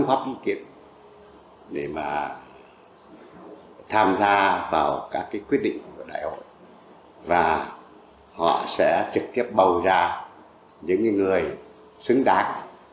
họ sẽ trực tiếp bầu ra những người xứng đáng